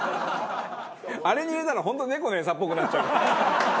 あれに入れたら本当猫の餌っぽくなっちゃうから。